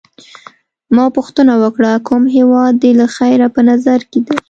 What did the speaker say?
ما پوښتنه وکړه: کوم هیواد دي له خیره په نظر کي دی؟